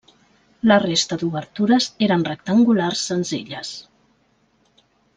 La resta d'obertures eren rectangulars senzilles.